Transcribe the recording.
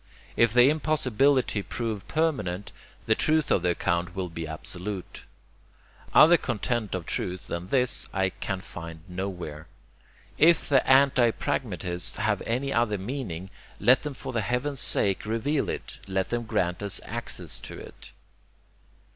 If the impossibility prove permanent, the truth of the account will be absolute. Other content of truth than this I can find nowhere. If the anti pragmatists have any other meaning, let them for heaven's sake reveal it, let them grant us access to it!